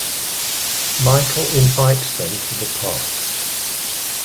Michael invites them to the park.